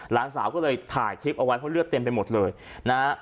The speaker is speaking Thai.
หลานสาวก็เลยถ่ายคลิปเอาไว้เพราะเลือดเต็มไปหมดเลยนะฮะ